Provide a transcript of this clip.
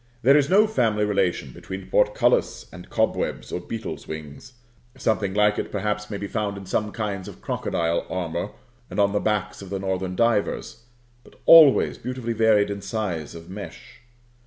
There is no family relation between portcullis and cobwebs or beetles' wings; something like it, perhaps, may be found in some kinds of crocodile armor and on the backs of the Northern divers, but always beautifully varied in size of mesh.